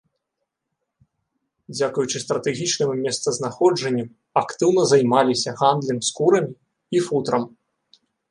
Дзякуючы стратэгічнаму месцазнаходжанню актыўна займаліся гандлем скурамі і футрам.